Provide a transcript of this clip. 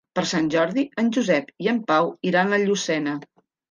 Per Sant Jordi en Josep i en Pau iran a Llucena.